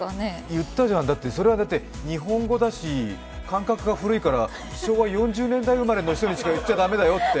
言ったじゃん、それは日本語だし感覚が古いから昭和４０年代生まれの人にしか言っちゃダメだよって。